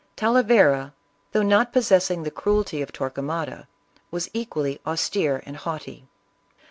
Talavera, though not possessing the cruelty of Torquemada, was equally austere and haughty.